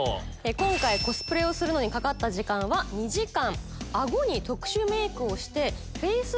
今回コスプレにかかった時間は２時間。